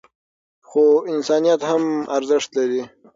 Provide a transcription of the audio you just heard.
خو انسانیت هم ارزښت لري.